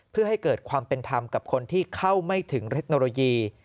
เพื่อให้เกิดความเป็นธรรมกับคนที่เข้าไม่ถึงเทคโนโลยี